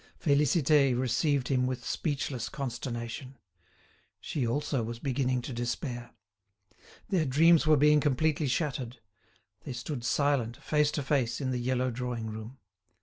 Félicité received him with speechless consternation. She, also, was beginning to despair. Their dreams were being completely shattered. They stood silent, face to face, in the yellow drawing room.